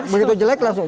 begitu jelek langsung